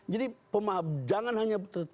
jadi jangan hanya